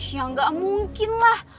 iya gak mungkin lah